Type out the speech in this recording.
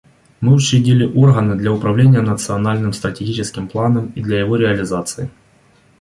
Мы учредили органы для управления национальным стратегическим планом и для его реализации.